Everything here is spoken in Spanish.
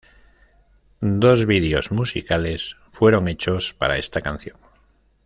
Dos vídeos musicales fueron hechos para esta canción.